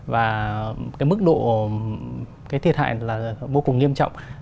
và cái mức độ cái thiệt hại là vô cùng nghiêm trọng